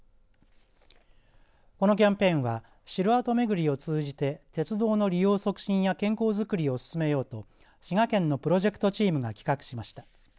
このキャンペーンは城跡巡りを通じて鉄道の利用促進や健康づくりを進めようと滋賀県のプロジェクトチームが企画しました。